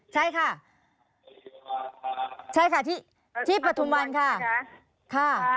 ใช่ค่ะ